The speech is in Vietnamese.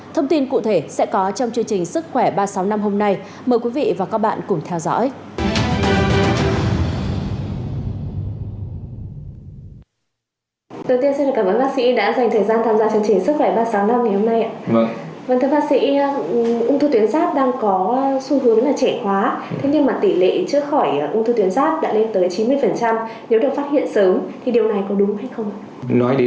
thông tin cụ thể sẽ có trong chương trình sức khỏe ba trăm sáu mươi năm hôm nay mời quý vị và các bạn cùng theo dõi